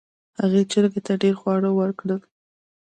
هغې چرګې ته ډیر خواړه ورکړل.